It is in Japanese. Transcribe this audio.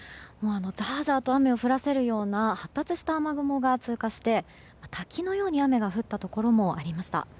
ザーザーと雨を降らせるような発達した雨雲が通過して滝のように雨が降ったところもありました。